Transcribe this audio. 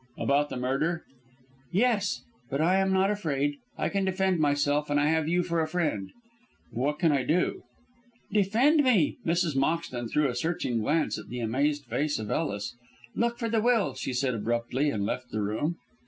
"About the murder?" "Yes, but I am not afraid. I can defend myself, and I have you for a friend." "But what can I do?" "Defend me!" Mrs. Moxton threw a searching glance at the amazed face of Ellis. "Look for the will," she said abruptly, and left the room.